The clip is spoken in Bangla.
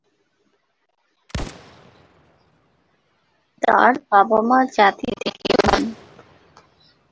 তার মা-বাবা জাতিতে কিউবান।